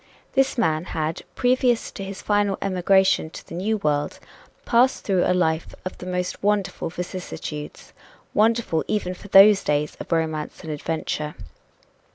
This man had, previous to his final emigration to the New World, passed through a life of the most wonderful vicissitudes wonderful even for those days of romance and adventure.